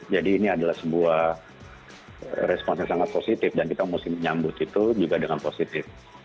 jadi ini adalah sebuah respons yang sangat positif dan kita mesti menyambut itu juga dengan positif